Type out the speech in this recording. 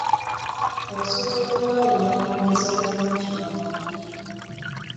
Osobola okwawula owogezi omulungi n'omubi .